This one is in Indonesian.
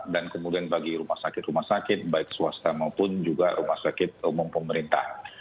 dan kemudian bagi rumah sakit rumah sakit baik swasta maupun juga rumah sakit umum pemerintah